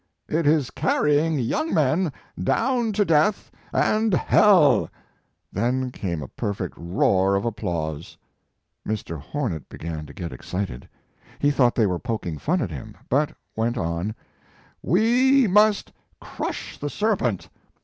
It is carrying young men down to death and His Life and Werk. 151 hell !" Then came a perfect roar of ap plause. Mr. Hornet began to get ex cited. He thought they were poking fun at him, but went on: "We must crush the serpent